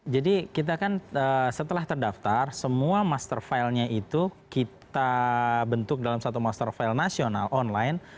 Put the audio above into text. jadi kita kan setelah terdaftar semua master filenya itu kita bentuk dalam satu master file nasional online